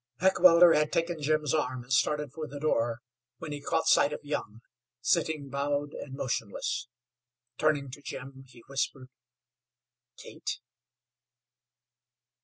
Heckewelder had taken Jim's arm and started for the door when he caught sight of Young, sitting bowed and motionless. Turning to Jim he whispered: "Kate?"